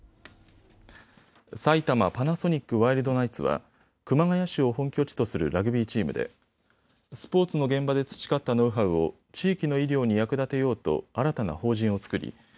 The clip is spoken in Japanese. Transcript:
埼玉パナソニックワイルドナイツは熊谷市を本拠地とするラグビーチームでスポーツの現場で培ったノウハウを地域の医療に役立てようと新たな法人を作り